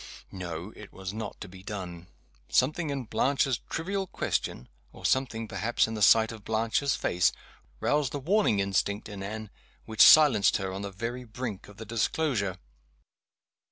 No! it was not to be done. Something in Blanche's trivial question or something, perhaps, in the sight of Blanche's face roused the warning instinct in Anne, which silenced her on the very brink of the disclosure.